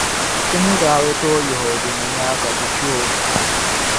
Ti ni daa bi tooi yih’ o di ni maa ka ti chɛ o.